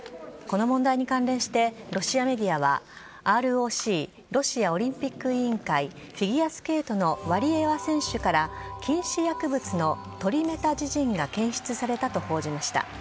この問題に関連してロシアメディアはＲＯＣ＝ロシアオリンピック委員会フィギュアスケートのワリエワ選手から禁止薬物のトリメタジジンが検出されたと報じました。